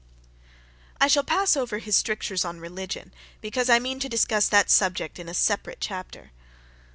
I shall pass over his strictures on religion, because I mean to discuss that subject in a separate chapter.